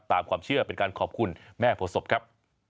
ตามความเชื่อเป็นการขอบคุณแม่โภศพครับ